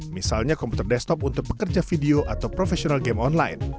misalnya komputer desktop untuk pekerja video atau profesional game online